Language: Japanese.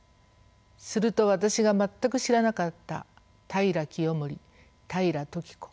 すると私が全く知らなかった平清盛平時子